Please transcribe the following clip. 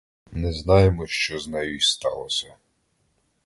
Не знаємо, що з нею й сталося.